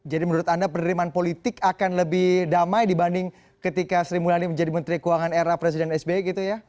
jadi menurut anda penerimaan politik akan lebih damai dibanding ketika sri mulyani menjadi menteri keuangan era presiden sbi gitu ya